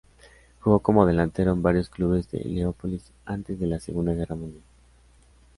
Jugó como delantero en varios clubes de Leópolis antes de la Segunda Guerra Mundial.